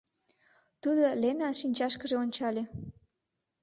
— тудо Ленан шинчашкыже ончале.